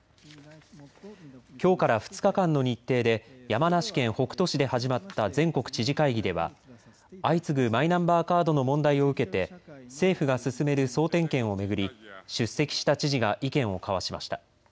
きょうから２日間の日程で山梨県北杜市で始まった全国知事会議では相次ぐマイナンバーカードの問題を受けて政府が進める総点検を巡り出席した知事が意見を交わしました。